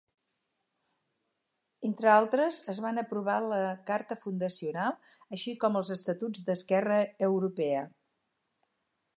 Entre altres es van aprovar la Carta fundacional així com els estatuts d'Esquerra Europea.